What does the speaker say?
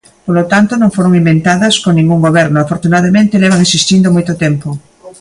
Polo tanto, non foron inventadas con ningún goberno, afortunadamente levan existindo moito tempo.